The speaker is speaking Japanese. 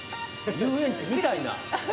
遊園地みたいな？